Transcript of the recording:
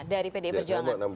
dari pdi perjuangan